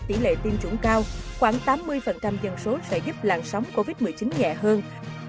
tỷ lệ tiêm chủng cao khoảng tám mươi dân số sẽ giúp làn sóng covid một mươi chín nhẹ hơn